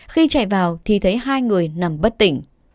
khi chạy vào thì thấy hai người nằm bất tỉnh